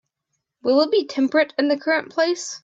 Will it be temperate in the current place?